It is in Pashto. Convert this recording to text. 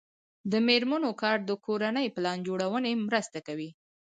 د میرمنو کار د کورنۍ پلان جوړونې مرسته کوي.